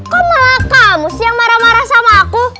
kok malah kamu sih yang marah marah sama aku